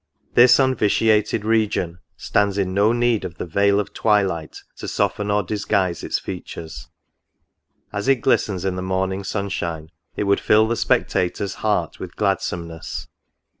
This unvitiated region stands in no need of the veil of twiHght to soften or disguise its features. As it glistens in the morning sunshine, it would fill the spectator's heart with gladsomeness.